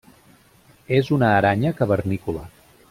És una aranya cavernícola.